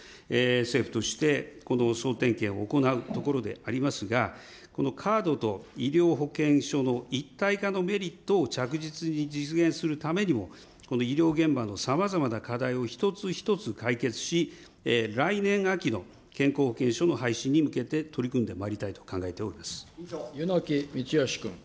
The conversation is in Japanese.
政府としてこの総点検を行うところでありますが、このカードと医療保険証の一体化のメリットを着実に実現するためにも、この医療現場のさまざまな課題を一つ一つ解決し、来年秋の健康保険証の廃止に向けて取り組んでまいりたいと考えて柚木道義君。